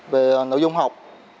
về nội dung học